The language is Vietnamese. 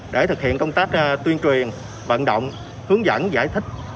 để thực hiện công tác tuyên truyền vận động hướng dẫn giải thích